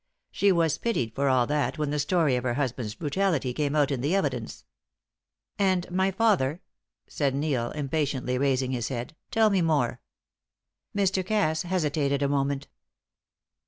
She was pitied for all that when the story of her husband's brutality came out in the evidence." "And my father?" said Neil, impatiently raising his head. "Tell me more." Mr. Cass hesitated a moment.